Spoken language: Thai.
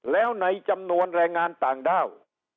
แล้วในจำนวนแรงงานต่างด้าว